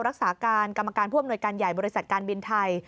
รักษาการกรรมการผู้อำนวยการใหญ่บริษัทการบินไทย